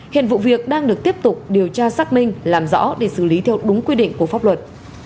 hiện vụ việc đang được tiếp tục điều tra xác minh làm rõ để xử lý theo đúng quy định của pháp luật